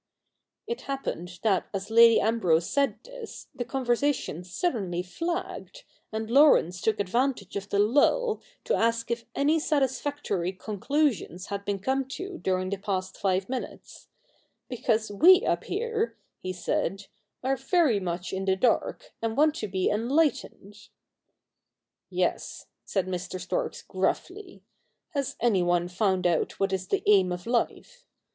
It happened that, as Lady Ambrose said this, the con versation suddenly flagged, and Laurence took advantage of the lull to ask if any satisfactory conclusions had been come to during the past five minutes, ' because we up here,' he said, 'are very much in the dark, and want to be enlightened.' ' Yes,' said Mr. Storks gruffly, ' has any one found out what is the aim of life